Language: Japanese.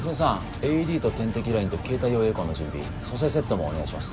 ＡＥＤと点滴ラインと携帯用エコーの準備蘇生セットもお願いします